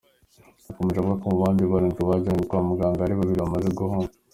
Yakomeje avuga ko mu bandi barindwi bajyanywe kwa muganga hari babiri bamaze guhuma.